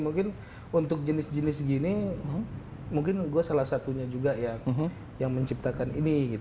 mungkin untuk jenis jenis gini mungkin gue salah satunya juga yang menciptakan ini